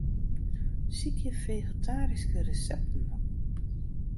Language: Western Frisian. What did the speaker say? Sykje fegetaryske resepten op.